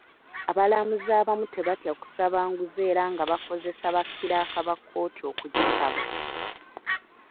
Abalamuzi abamu tebatya kusaba nguzi era nga bakozesa bakiraaka ba kkooti okugisaba.